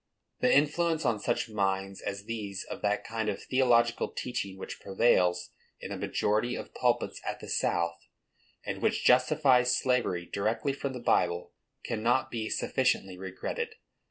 The influence on such minds as these of that kind of theological teaching which prevails in the majority of pulpits at the South, and which justifies slavery directly from the Bible, cannot be sufficiently regretted.